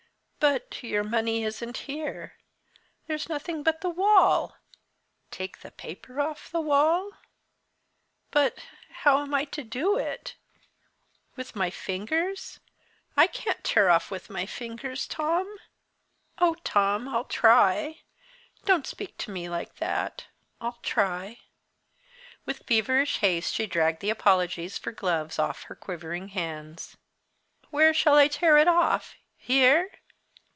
"But your money isn't here. There's nothing but the wall. Take the paper off the wall? But how am I to do it? With my fingers! I can't tear off with my fingers, Tom. Oh, Tom, I'll try! Don't speak to me like that I'll try!" With feverish haste she dragged the apologies for gloves off her quivering hands. "Where shall I tear it off? Here?